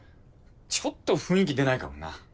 ちょっと雰囲気出ないかもな。